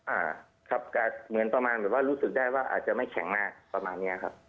อ่าครับอ่าเหมือนประมาณแบบว่ารู้สึกได้ว่าอาจจะไม่แข็งมากประมาณเนี้ยครับ